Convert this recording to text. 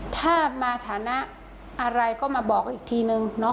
ถ้ามาฐานะอะไรก็มาบอกอีกทีนึง